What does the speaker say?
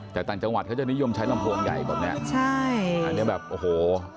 แต่ต่างจังหวัดเขาจะนิยมใช้ลำโพงใหญ่แบบเนี้ยใช่อันนี้แบบโอ้โห